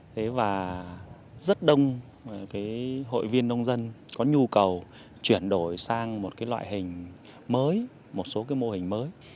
thế và rất đông cái hội viên nông dân có nhu cầu chuyển đổi sang một cái loại hình mới một số cái mô hình mới